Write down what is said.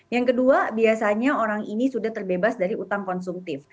yang kedua biasanya orang ini sudah terbebas dari utang konsumtif